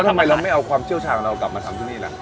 ทำไมเราไม่เอาความเชี่ยวชาญของเรากลับมาทำที่นี่ล่ะ